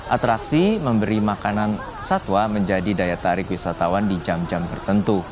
atraksi memberi makanan satwa menjadi daya tarik wisatawan di jam jam tertentu